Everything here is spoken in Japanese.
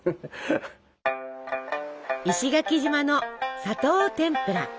石垣島の「砂糖てんぷら」。